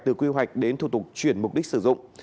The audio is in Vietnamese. từ quy hoạch đến thủ tục chuyển mục đích sử dụng